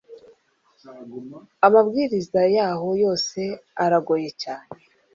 amabwiriza yaho yose aragoye cyane.